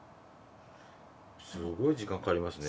すごく時間かかりますね。